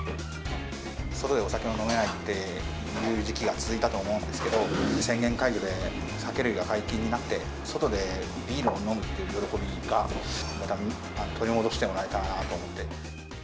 外でお酒を飲めないという時期が続いたと思うんですけど、宣言解除で酒類が解禁になって、外でビールを飲むっていう喜びを、また取り戻してもらえたらなと思って。